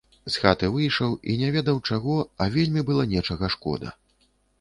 З хаты выйшаў, і не ведаў чаго, а вельмі было нечага шкода.